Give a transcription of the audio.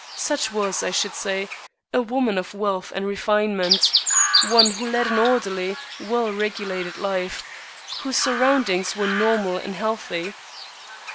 She was, I should say, a woman of wealth and refinement, one who led an orderly, well regulated life, whose surroundings were normal and healthy."